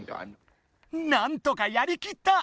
なんとかやりきった！